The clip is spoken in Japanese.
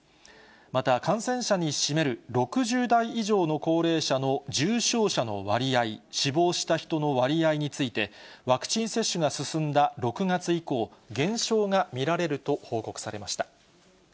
また、感染者に占める６０代以上の高齢者の重症者の割合、死亡した人の割合について、ワクチン接種が進んだ６月以降、減少が見られると報告されました。